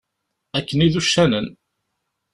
Akken i d uccanen.